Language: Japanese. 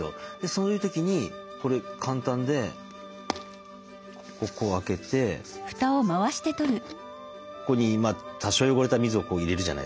そういう時にこれ簡単でここ開けてここに多少汚れた水を入れるじゃないですか。